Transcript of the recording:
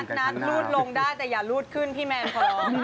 นัทลูดลงได้แต่อย่ารูดขึ้นพี่แมนเขา